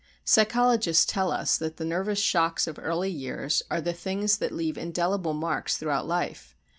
Psychologists tell us that the nervous shocks of early years are the things that leave indelible marks throughout life.